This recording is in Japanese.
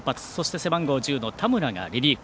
背番号１０の田村がリリーフ。